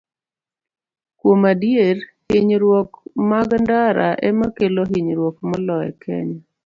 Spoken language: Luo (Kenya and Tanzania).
Kuom adier, hinyruok mag ndara ema kelo hinyruok moloyo e Kenya.